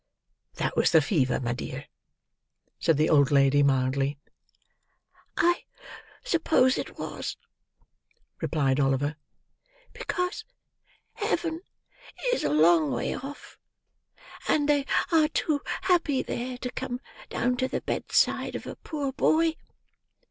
"That was the fever, my dear," said the old lady mildly. "I suppose it was," replied Oliver, "because heaven is a long way off; and they are too happy there, to come down to the bedside of a poor boy.